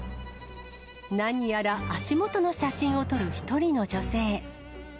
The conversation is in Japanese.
何やら足元の写真を撮る１人の女性。